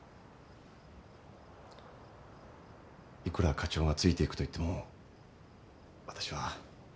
いくら課長がついていくといってもわたしは。